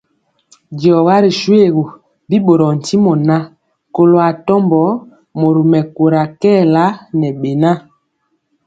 Diɔga ri shoégu, bi ɓorɔɔ ntimɔ ŋan, kɔlo atɔmbɔ mori mɛkóra kɛɛla ŋɛ beŋa.